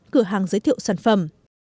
cửa hàng giới thiệu sản phẩm